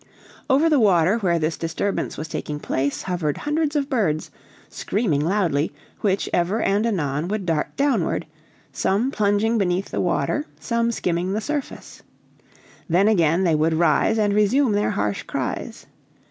Over the water where this disturbance was taking place hovered hundreds of birds, screaming loudly, which ever and anon would dart downward, some plunging beneath the water, some skimming the surface. Then again they would rise and resume their harsh cries.